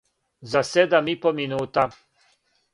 за седам и по минута